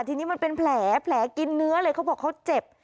ทีนี้มันเป็นแผลแผลกินเนื้อเลยเขาบอกเขาเจ็บ